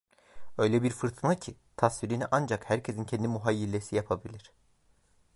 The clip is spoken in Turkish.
Öyle bir fırtına ki, tasvirini ancak herkesin kendi muhayyilesi yapabilir.